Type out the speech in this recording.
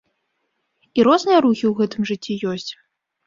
І розныя рухі ў гэтым жыцці ёсць.